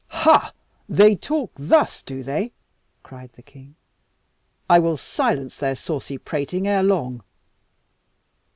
"Ha! they talk thus, do they?" cried the king. "I will silence their saucy prating ere long.